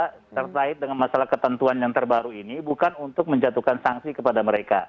ya memang tujuan utama kita terkait dengan masalah ketentuan yang terbaru ini bukan untuk menjatuhkan sanksi kepada mereka